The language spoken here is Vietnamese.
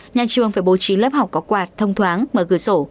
nhà trường phải bố trí lớp học có quạt thông thoáng mở cửa sổ